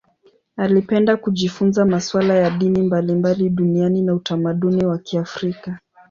Alipenda kujifunza masuala ya dini mbalimbali duniani na utamaduni wa Kiafrika.